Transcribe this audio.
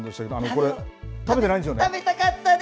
これ食べてないんですよね。